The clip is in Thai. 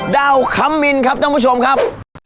ดาวค้ำมินครับท่านผู้ชมครับ